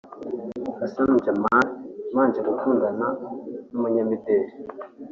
Hassan Jameel yabanje gukundana n’umunyamideli